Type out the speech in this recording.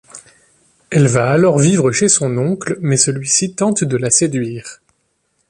Elle va alors vivre chez son oncle, mais celui-ci tente de la séduire.